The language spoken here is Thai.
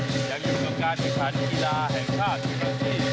ยังยุ่งกำกัดการ์ดกีฟานกีฬาแห่งภาคธุรกิจ